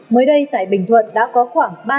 mới đây tại bình thuận đã có khoảng